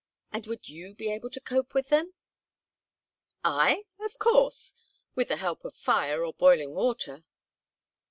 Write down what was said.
"And would you be able to cope with them?" "I? Of course. With the help of fire or boiling water."